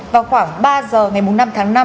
vào khoảng ba h ngày năm tháng năm